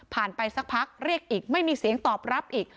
ไปสักพักเรียกอีกไม่มีเสียงตอบรับอีก